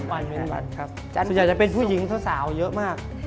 ส่วนใหญ่จะเป็นผู้หญิงสาวเยอะมาก